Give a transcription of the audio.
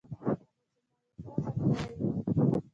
هغه زما یو ښه ملگری دی.